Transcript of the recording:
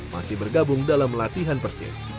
masih bergabung dalam latihan persib